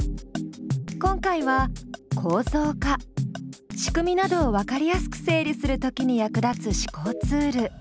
今回は構造化仕組みなどをわかりやすく整理するときに役立つ思考ツール。